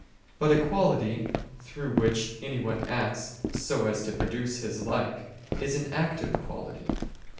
But a quality through which anyone acts so as to produce his like, is an active quality.